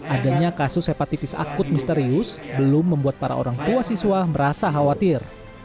adanya kasus hepatitis akut misterius belum membuat para orang tua siswa merasa khawatir